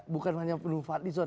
bukan hanya membunuh fadlison